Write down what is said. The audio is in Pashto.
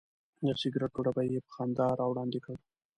د سګرټو ډبی یې په خندا راوړاندې کړ.